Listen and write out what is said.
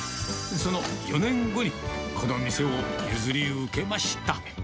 その４年後にこの店を譲り受けました。